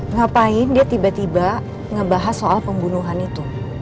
ngapain dia tiba tiba ngebahas soal pembunuhan itu